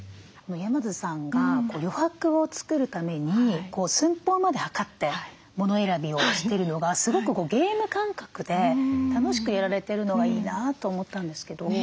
山津さんが余白を作るために寸法まで測って物選びをしてるのがすごくゲーム感覚で楽しくやられてるのがいいなと思ったんですけど。